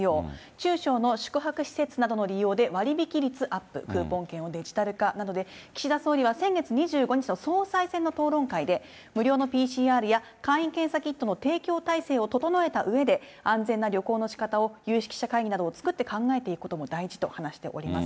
中小の宿泊施設などの利用で、割引率アップ、クーポン券をデジタル化などで、岸田総理は先月２５日の総裁選の討論会で、無料のＰＣＲや、簡易検査キットの提供体制を整えたうえで、安全な旅行のしかたを、有識者会議などを作って考えていくことも大事だと話しております。